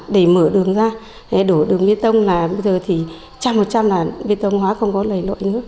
để mở đường ra đổ đường biên tông là bây giờ thì một trăm linh là biên tông hóa không có lầy lội nữa